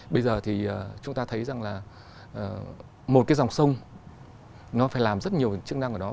bây giờ thì chúng ta thấy rằng là một cái dòng sông nó phải làm rất nhiều chức năng của nó